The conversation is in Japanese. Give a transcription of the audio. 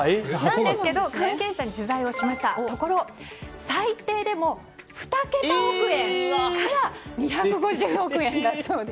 ですけど関係者に取材したところ最低でも２桁億円から２５０億円だそうです。